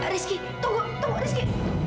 rizky tunggu tunggu rizky